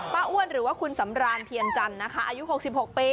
อ้วนหรือว่าคุณสำรานเพียรจันทร์นะคะอายุ๖๖ปี